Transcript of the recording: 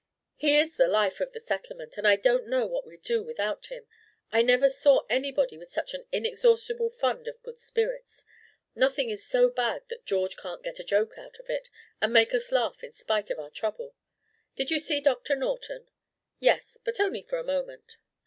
"He is the life of the settlement, and I don't know what we'd do without him. I never saw anybody with such an inexhaustible fund of good spirits. Nothing is so bad that George can't get a joke out of it and make us laugh in spite of our trouble. Did you see Doctor Norton?" "Yes, but only for a moment."